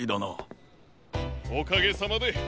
おかげさまで！